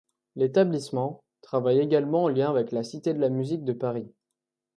L'établissement travaille également en lien avec la Cité de la musique de Paris.